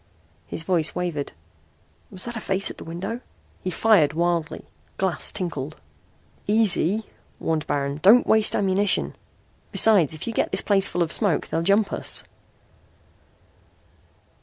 his voice wavered. "Was that a face at the window?" He fired wildly. Glass tinkled. "Easy," warned Baron. "Don't waste ammunition. Besides, if you get this place full of smoke they'll jump us."